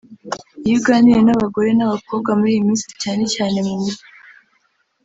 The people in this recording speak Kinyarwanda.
Iyo uganiriye n’abagore n’abakobwa muri iyi minsi cyane cyane mu mijyi